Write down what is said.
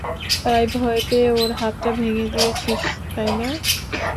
তাই ভয় পেয়ে ওর হাতটা ভেঙে দিয়েছিস, তাই না?